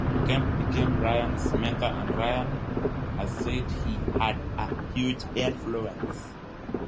Kemp became Ryan's mentor, and Ryan has said he had a "huge influence".